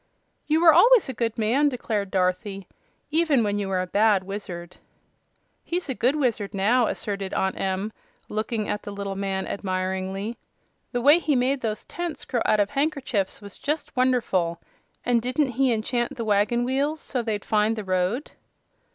"You were always a good man," declared Dorothy, "even when you were a bad wizard." "He's a good wizard now," asserted Aunt Em, looking at the little man admiringly. "The way he made those tents grow out of handkerchiefs was just wonderful! And didn't he enchant the wagon wheels so they'd find the road?"